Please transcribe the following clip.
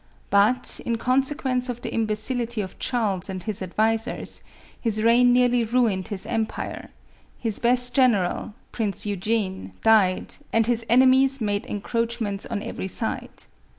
But, in consequence of the imbecil ity of Charles and his advisers, his reign nearly ruined his empire ; his best general, Prince Eugene, died, and his enemies made encroachments on every side.